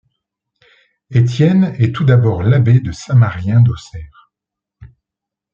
Étienne est tout d'abord l'abbé de Saint-Marien d'Auxerre.